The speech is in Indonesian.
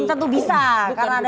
nggak tenangnya kenapa nggak tenangnya